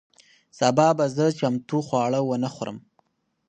سبا به زه چمتو خواړه ونه خورم.